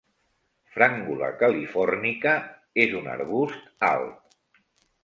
"Frangula californica" és un arbust alt.